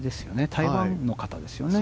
台湾の方ですよね。